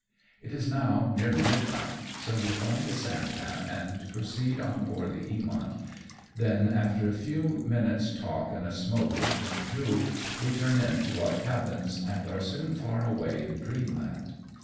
It is now nearly midnight, so we find a sampan and proceed on board the Eaviotit, then after a few minutes' talk and a smoke with Mr. Jule, we turn in to our cabins and are soon far away in dreamland.